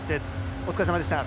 お疲れさまでした。